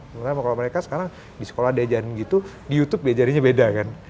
sementara kalau mereka sekarang di sekolah diajarin gitu di youtube diajarinnya beda kan